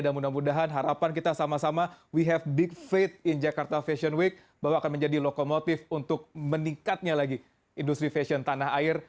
dan mudah mudahan harapan kita sama sama we have big faith in jakarta fashion week bahwa akan menjadi lokomotif untuk meningkatnya lagi industri fashion tanah air